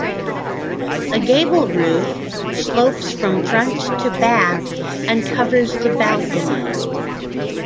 A gable roof slopes from front to back and covers the balcony.